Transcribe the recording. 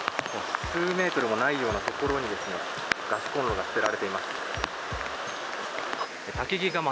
川から数メートルもないようなところにコンロが捨てられています。